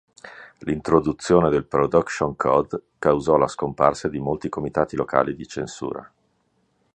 L'introduzione del "Production Code" causò la scomparsa di molti comitati locali di censura.